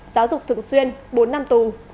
giáo dục thường xuyên bốn năm tù